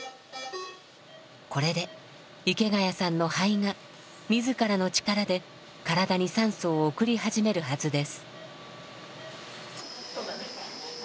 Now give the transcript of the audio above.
これで池谷さんの肺が自らの力で体に酸素を送り始めるはずです。